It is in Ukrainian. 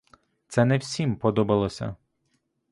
Це не всім подобалося.